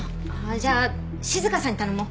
じゃあ静さんに頼もう。